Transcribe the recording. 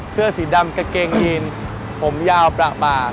เสื้อสีดำกะเกงอีนผมยาวประมาทนะครับ